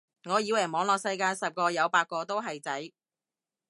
我以為網絡世界十個有八個都係仔